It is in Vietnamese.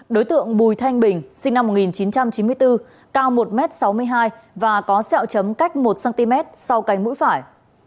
đối tượng bùi thanh bình sinh năm một nghìn chín trăm chín mươi bốn cao một m sáu mươi hai và có sẹo chấm cách một cm sau cánh mũi phải